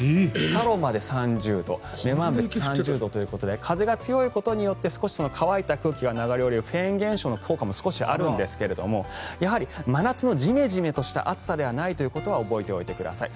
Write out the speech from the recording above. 佐呂間で３０度女満別でも３０度ということで風が強いことで少し乾いた空気が流れるフェーン現象の効果も少しあるんですがやはり真夏のじめじめとした暑さではないということは覚えておいてください。